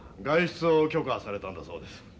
外出を許可されたんだそうです。